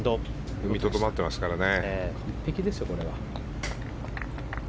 踏みとどまってますよね。